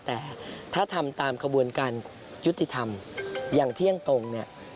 ถ้าทำตามกระบวนการยุทธิธรรมอย่างเที่ยงตรง